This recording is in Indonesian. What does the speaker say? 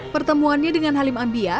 pertemuannya dengan halim ambia